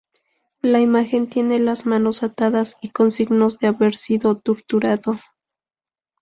La imagen tiene las manos atadas y con signos de haber sido torturado.